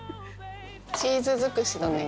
チーズ尽くしだね。